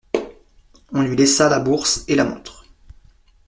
On lui laissa la bourse et la montre.